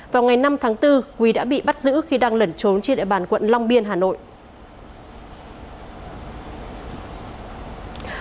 vào ngày năm tháng bốn quý đã bị bắt giữ khi đang lẩn trốn trên địa bàn quận long biên hà nội